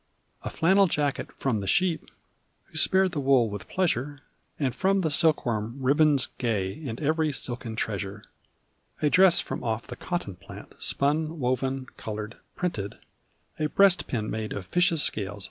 A flannel jacket from the sheep Who spared the wool with pleasure: And from the silkworm ribbons gay. And every silken treasure. A dress from off the cotton plant. Spun, woven, colored, printed: A breastpin made of fishes' scales.